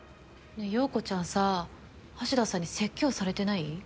ねえ葉子ちゃんさ橋田さんに説教されてない？